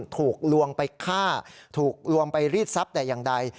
ถูกลวงไปฆ่าถูกลวงไปรีดทรัพย์แต่อย่างใด